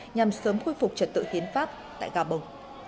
nhằm sớm khuyên phục trật tự thiến pháp tại gabon